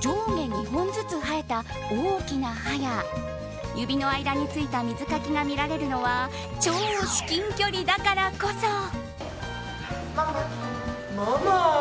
上下２本ずつ生えた大きな歯や指の間についた水かきが見られるのは超至近距離だからこそ。